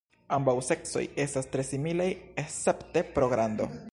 Ambaŭ seksoj estas tre similaj escepte pro grando.